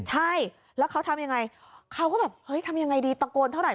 ใช่แล้วเขาทำยังไงเขาก็แบบเฮ้ยทำยังไงดีตะโกนเท่าไห